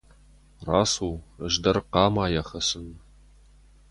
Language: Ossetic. Рацу, ӕз дӕр хъамайӕ хӕцын!